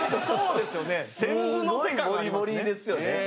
そうですよね！